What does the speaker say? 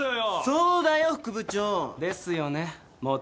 そうだよ副部長。ですよね元部長。